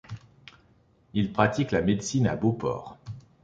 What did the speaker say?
Il pratique la médecine à Beauport.